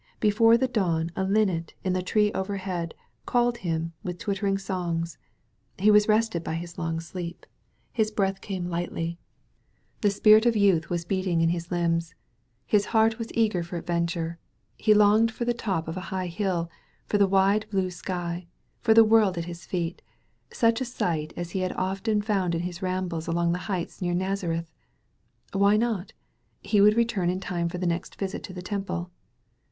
Before the dawn a linnet in the tree overhead called him with twittering songs. He was rested by his long sleep. His breath came «77 THE VALLEY OF VISION lightly. The q>irit of youth was beatiiig in his limbs. His heart was eager for adventure. He longed for the top of a high hill— 1(» the wide, blue sky— for the worid at his feet — such a sight as he had often found in his rambles among the heights near Naza reth. Why not? He would return in time for the nest visit to the Tenq>le.